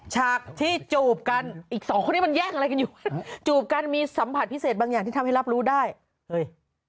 ฉากที่จูบกันอีกสองคนนี้มันแย่งอะไรกันอยู่จูบกันมีสัมผัสพิเศษบางอย่างที่ทำให้รับรู้ได้เฮ้ย